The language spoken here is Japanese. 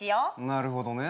なるほどね。